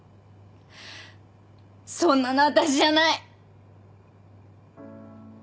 そんなの私じゃない。